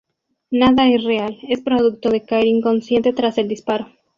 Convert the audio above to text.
Nada es real, es producto de caer inconsciente tras el disparo.